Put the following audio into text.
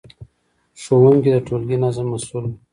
ښوونکي د ټولګي د نظم مسؤل وو.